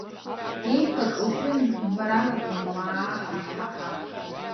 Еиԥкак лшәын вара амаӡам, уаа-ҳа, ҳаа-ҳаа!